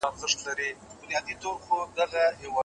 د پښتو ادب لپاره کار کول زموږ مسولیت دی.